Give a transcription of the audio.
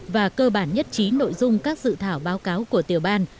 và cơ bản nhất trí nội dung các dự thảo báo cáo của tiểu ban